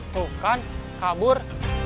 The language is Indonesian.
tuh kan kabur